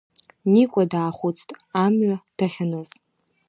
Никәа даахәыцт, амҩа дахьаныз.